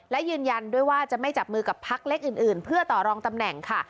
และยืนยันด้วยว่าจะไม่จับมือกับพักเล็กอื่นเพื่อต่อรองตำแหน่งค่ะ